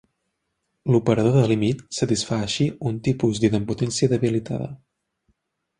L'operador de límit satisfà així un tipus d'idempotència debilitada.